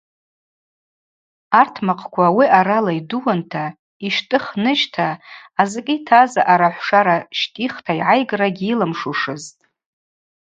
Артмакъкӏква ауи аъарала йдууынта йщтӏых ныжьхта азакӏы йтаз аъарагӏвшара щтӏихта йгӏайгра гьйылымшушызтӏ.